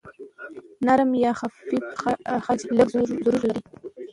نرم یا خفیف خج لږ زور لري.